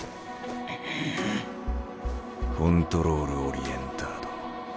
コントロールオリエンタード。